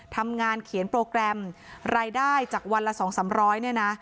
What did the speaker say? ทำงานเขียนโปรแกรมรายได้จากวันละ๒๓๐๐เนี่ยนะ